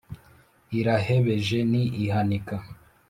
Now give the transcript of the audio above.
Irahebeje ni ihanika